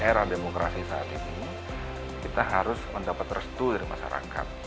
era demokrasi saat ini kita harus mendapat restu dari masyarakat